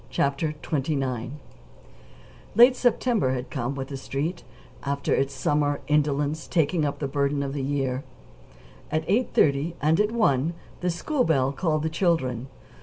CHAPTER XXIX Late September had come, with the Street, after its summer indolence taking up the burden of the year. At eight thirty and at one the school bell called the children.